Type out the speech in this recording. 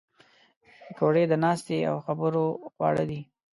پکورې د ناستې او خبرو خواړه دي